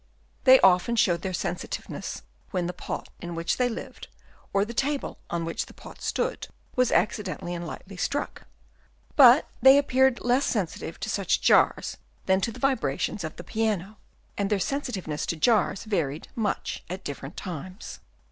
They often showed their sensitiveness when the pot in which they lived, or the table on which the pot stood, was accidentally and lightly struck ; but they appeared less sensi tive to such jars than to the vibrations of the 28 HABITS OF WORMS. Chap. I. piano ; and their sensitiveness to jars varied much at different times.